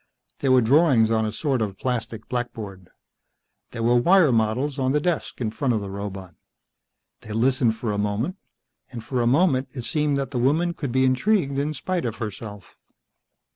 There were drawings on a sort of plastic blackboard. There were wire models on the desk in front of the robot. They listened for a moment, and for a moment it seemed that the woman could be intrigued in spite of herself.